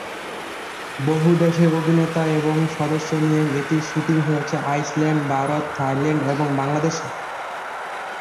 বহু-দেশের অভিনেতা এবং সদস্য নিয়ে এটির শুটিং হয়েছে আইসল্যান্ড, ভারত, থাইল্যান্ড এবং বাংলাদেশে।